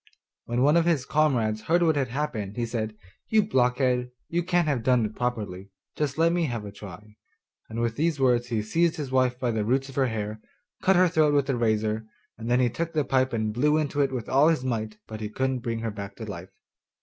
When one of his comrades heard what had happened, he said, 'You blockhead, you can't have done it properly; just let me have a try,' and with these words he seized his wife by the roots of her hair, cut her throat with a razor, and then took the pipe and blew into it with all his might but he couldn't bring her back to life.